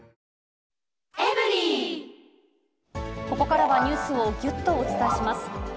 ここからはニュースをぎゅっとお伝えします。